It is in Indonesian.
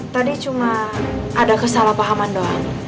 tadi cuma ada kesalahpahaman doang